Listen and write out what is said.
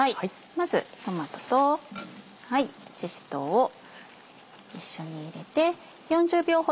まずトマトとしし唐を一緒に入れて。